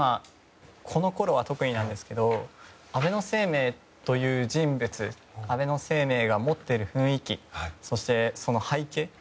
このころは特にですけど安倍晴明という人物安倍晴明が持っている雰囲気そして、その背景。